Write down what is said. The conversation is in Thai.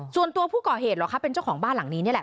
ส่วนตัวผู้ก่อเหตุเหรอคะเป็นเจ้าของบ้านหลังนี้นี่แหละ